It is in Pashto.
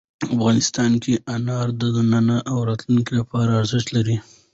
افغانستان کې انار د نن او راتلونکي لپاره ارزښت لري.